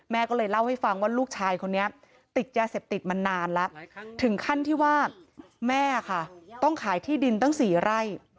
แม่ก็เลยเล่าให้ฟังว่าลูกชายคนนี้ติดยาเสพติดมานานละ